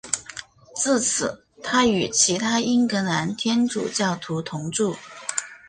自此他与其他英格兰天主教徒同住。